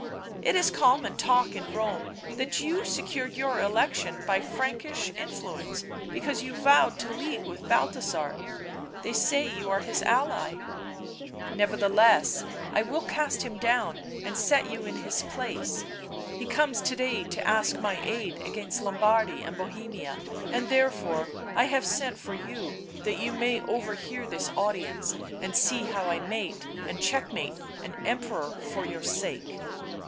It is common talk in Koine that you secured your election by Frankish influence because you vowed to league with Balthasar — they say you are his ally "" Nevertheless I will cast him down and set you in his place — he comes to day to ask my aid against Lombardy and Bohemia; and therefore have I sent for you that you may overhear this audience, and see how I mate and checkmate an Emperor for your sake."